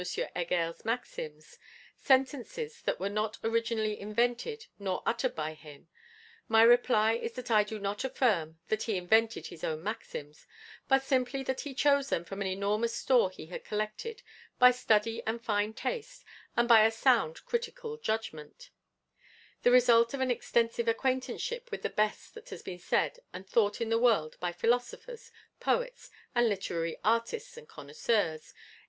Heger's maxims, sentences that were not originally invented nor uttered by him, my reply is that I do not affirm that he invented his own maxims, but simply that he chose them from an enormous store he had collected by study and fine taste and by a sound critical judgment, the result of an extensive acquaintanceship with the best that has been said and thought in the world by philosophers, poets, and literary artists and connoisseurs.